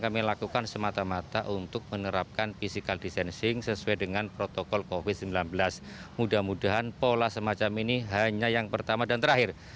masjid al akbar yang terkenal dengan pola semacam ini hanya yang pertama dan terakhir